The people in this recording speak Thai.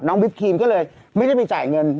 น้องวิฟท์ครีมก็เลยไม่ได้ไปจ่ายเงิน